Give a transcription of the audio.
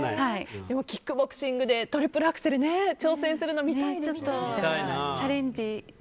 キックボクシングでトリプルアクセルに挑戦するのチャレンジ。